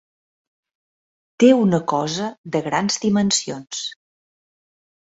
Té una cosa de grans dimensions.